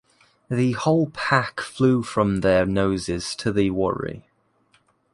The whole pack flew from their noses to the worry.